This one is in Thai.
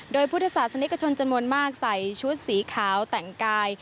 โดยพุทธศาสนิกชนจำนวนมากใส่ชุดสีขาวแต่งกาย